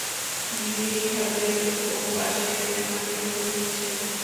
গিড়িখাতের ওপাশে তোমাকে খুঁজছে।